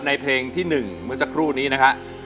ในเพลงที่๑เมื่อสักครู่นี้นะฮะ